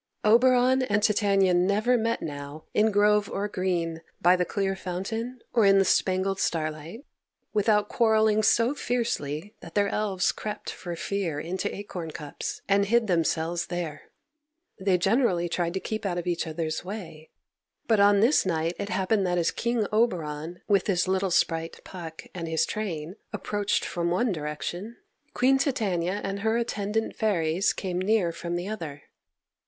Oberon and Titania never met now, in grove or green, by the clear fountain, or in the spangled starlight, without quarrelling so fiercely that their elves crept for fear into acorn cups, and hid themselves there. They generally tried to keep out of each other's way, but on this night it happened that as King Oberon, with his little sprite Puck and his train, approached from one direction, Queen Titania and her attendant fairies came near from the other.